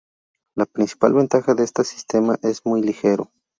La principal ventaja de este sistema es que es muy ligero.